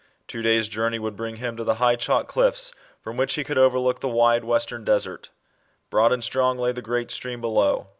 TW<J days' journey would bring him to the high chalky cliffs, from which he could overlook the * wide western desert. Broad and strong lay the great stream below.